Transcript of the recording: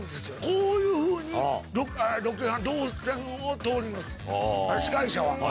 こういうふうに動線を通ります司会者は。